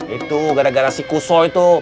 itu gara gara si kuso itu